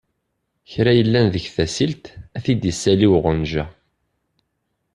Kra yellan deg tasilt, a-t-id-issali uɣenja.